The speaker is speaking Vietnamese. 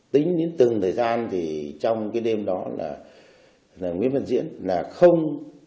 tính đến từng thời gian thì trong cái đêm đó là nguyễn văn diễn là không